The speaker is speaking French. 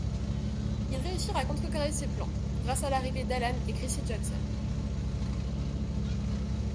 Ils réussissent à contrecarrer ses plans, grâce à l'arrivée d'Alan et Chrissie Jackson.